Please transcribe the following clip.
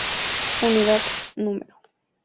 Unidad No.